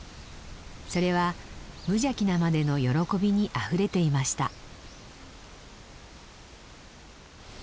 それは無邪気なまでの喜びにあふれていました。